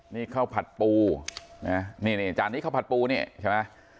นี่ข้าวผัดปูนะนี่จานนี้ข้าวผัดปูนี่ใช่ไหม